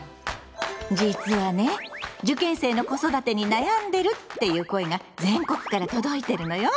実はね「受験生の子育てに悩んでる」っていう声が全国から届いてるのよ。